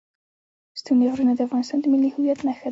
ستوني غرونه د افغانستان د ملي هویت نښه ده.